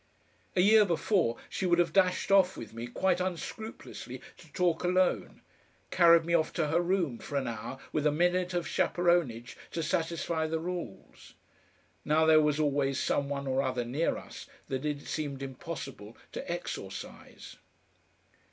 A year before she would have dashed off with me quite unscrupulously to talk alone, carried me off to her room for an hour with a minute of chaperonage to satisfy the rules. Now there was always some one or other near us that it seemed impossible to exorcise.